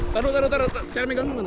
taduk taduk taduk cara mengganggu mana